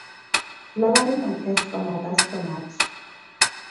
Flowering occurs from August to March.